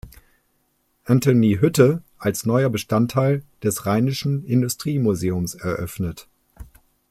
Antony-Hütte“ als neuer Bestandteil des Rheinischen Industriemuseums eröffnet.